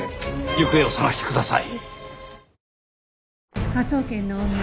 行方を捜してください。